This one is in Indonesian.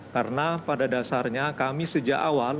karena pada dasarnya kami sejak awal